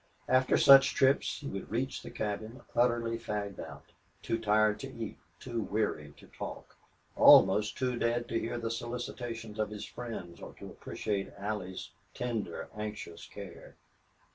After such trips he would reach the cabin utterly fagged out, too tired to eat, too weary, to talk, almost too dead to hear the solicitations of his friends or to appreciate Allie's tender, anxious care.